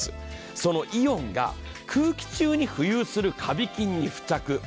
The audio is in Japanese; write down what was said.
そのイオンが空気中に浮遊するカビ菌に付着。